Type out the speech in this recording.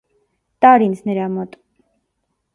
- Տա՛ր ինձ նրա մոտ: